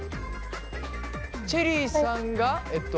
チェリーさんがえっと。